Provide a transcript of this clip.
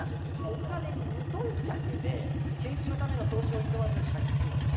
お金に無頓着で研究のための投資をいとわず借金を重ねてしまったと。